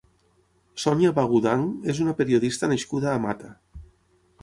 Sònia Bagudanch és una periodista nascuda a Mata.